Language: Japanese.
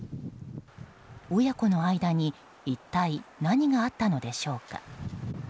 親子の間に一体、何があったのでしょうか。